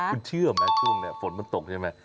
คุณเชื่อไหมช่วงนี้ฝนมันตกใช่ไหม